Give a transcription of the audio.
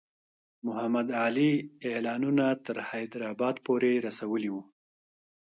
محمدعلي اعلانونه تر حیدرآباد پوري رسولي وو.